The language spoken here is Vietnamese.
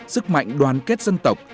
sức mạnh đoàn kết dân tộc